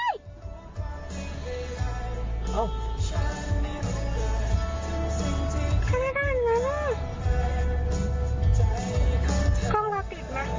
ถ้าได้ถ้าทำไมข้องระปิดไหม